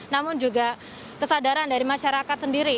namun juga kesadaran dari masyarakat sendiri